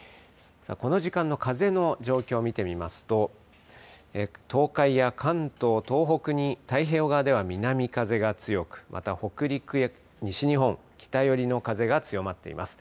この時間の風の状況を見てみますと東海や関東、東北に太平洋側では南風が強く北陸や西日本北寄りの風が強まっています。